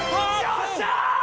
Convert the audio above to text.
よっしゃー！